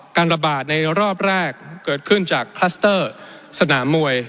การระบาดในรอบแรกเกิดขึ้นจากคลัสเตอร์สนามมวย